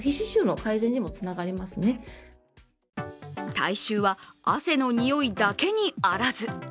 体臭は汗のにおいだけにあらず。